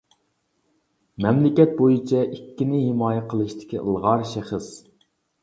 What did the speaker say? مەملىكەت بويىچە ئىككىنى ھىمايە قىلىشتىكى ئىلغار شەخس.